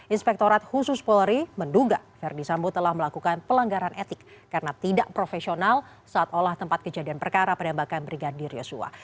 inspektorat khusus polri menduga verdi sambo telah melakukan pelanggaran etik karena tidak profesional saat olah tempat kejadian perkara penembakan brigadir yosua